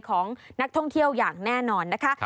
ของนักท่องเที่ยวอย่างแน่นอนนะคะ